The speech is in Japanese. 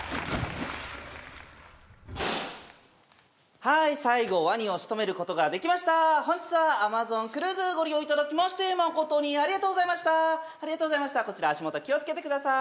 はーい最後ワニを仕留めることができました本日はアマゾンクルーズご利用いただきまして誠にありがとうございましたありがとうございましたこちら足元気を付けてください